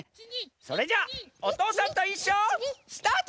それじゃあ「おとうさんといっしょ」スタート！